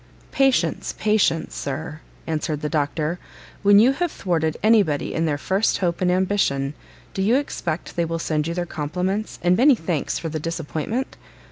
"Patience, patience, Sir," answered the Doctor; "when you have thwarted any body in their first hope and ambition, do you expect they will send you their compliments and many thanks for the disappointment?